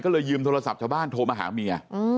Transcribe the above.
ก็เลยยืมโทรศัพท์ชาวบ้านโทรมาหาเมีย